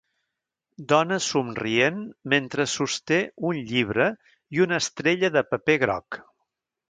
Dona somrient mentre sosté un llibre i una estrella de paper groc.